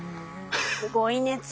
すごい熱量。